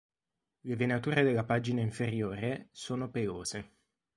Le venature della pagina inferiore sono pelose.